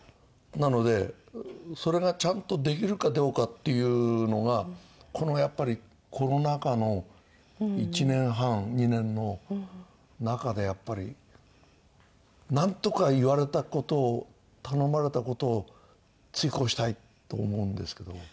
なのでそれがちゃんとできるかどうかっていうのがこのやっぱりコロナ禍の１年半２年の中でやっぱりなんとか言われた事を頼まれた事を次こうしたいって思うんですけど。